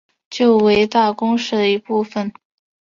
旧为大宫市的一部分。